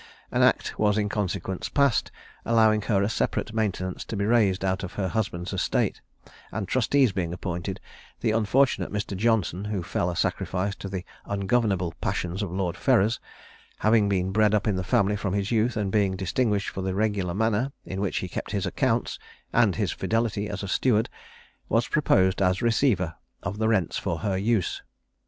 An act was in consequence passed, allowing her a separate maintenance to be raised out of her husband's estate; and trustees being appointed, the unfortunate Mr. Johnson, who fell a sacrifice to the ungovernable passions of Lord Ferrers, having been bred up in the family from his youth, and being distinguished for the regular manner in which he kept his accounts, and his fidelity as a steward, was proposed as receiver of the rents for her use.